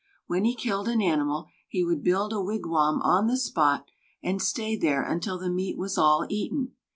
When he killed an animal, he would build a wigwam on the spot, and stay there until the meat was all eaten.